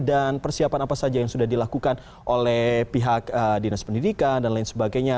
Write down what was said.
dan persiapan apa saja yang sudah dilakukan oleh pihak dinas pendidikan dan lain sebagainya